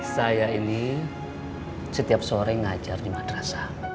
saya ini setiap sore ngajar di madrasah